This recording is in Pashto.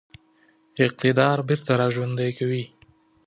اقتدار بیرته را ژوندی کوي.